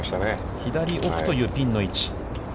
左奥というピンの位置。